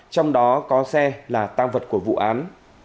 trong đó có xe là tăng vật của vụ án